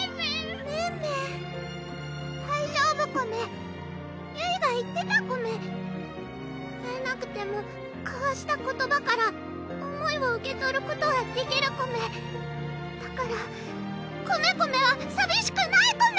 メンメン大丈夫コメゆいが言ってたコメ会えなくても交わした言葉から思いを受け取ることはできるコメだからコメコメはさびしくないコメ！